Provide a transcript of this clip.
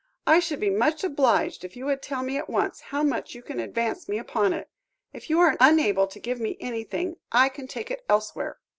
"I should be much obliged if you would tell me at once how much you can advance me upon it. If you are unable to give me anything, I can take it elsewhere."